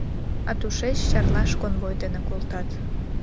А тушеч Чарлаш конвой дене колтат.